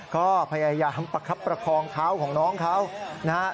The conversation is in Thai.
ก็พยายามประคับประคองเท้าของน้องเขานะฮะ